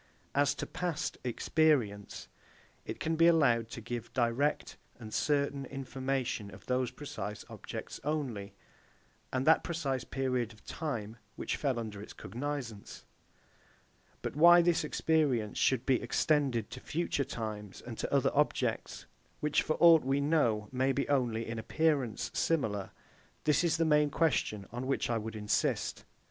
As to past Experience, it can be allowed to give direct and certain information of those precise objects only, and that precise period of time, which fell under its cognizance: but why this experience should be extended to future times, and to other objects, which for aught we know, may be only in appearance similar; this is the main question on which I would insist.